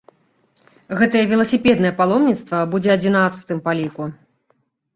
Гэтае веласіпеднае паломніцтва будзе адзінаццатым па ліку.